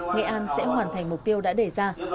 nghệ an sẽ hoàn thành mục tiêu đã đề ra